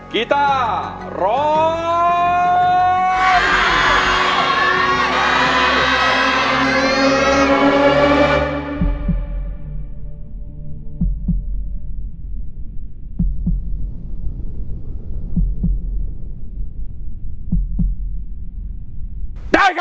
กีตาร์ร้อง